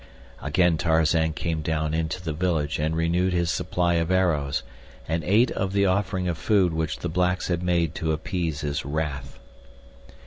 Again Tarzan came down into the village and renewed his supply of arrows and ate of the offering of food which the blacks had made to appease his wrath.